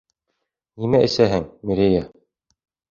Нимә эсәһең, Мерея?